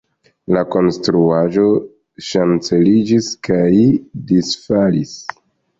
La konstruaĵo ŝanceliĝis kaj disfalis.